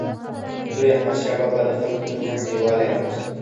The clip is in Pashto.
لوی احمدشاه بابا د خلکو ترمنځ یووالی راوست.